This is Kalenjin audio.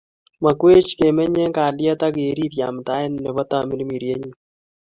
Makwech kemeny eng kalyet ak keriib yamdaet nebo Tamirmirienyi